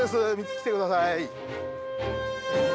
来てください。